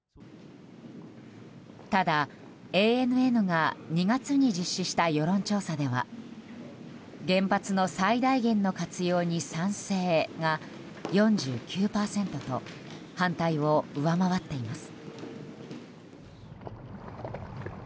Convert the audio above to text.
ただ、ＡＮＮが２月に実施した世論調査では原発の最大限の活用に賛成が４９％と反対を上回っています。